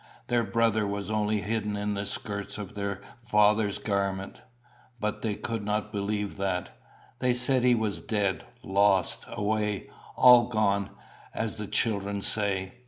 Their brother was only hidden in the skirts of their Father's garment, but they could not believe that: they said he was dead lost away all gone, as the children say.